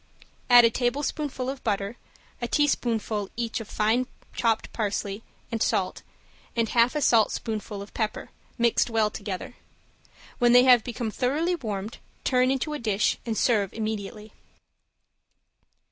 Add a tablespoonful of butter, a teaspoonful each of finely chopped parsley, and salt, and half a saltspoonful of pepper, mixed well together. When they have become thoroughly warmed turn into a dish, and serve immediately.